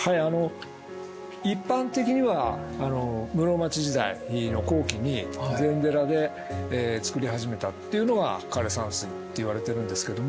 一般的には室町時代の後期に禅寺でつくり始めたっていうのが枯山水っていわれてるんですけども。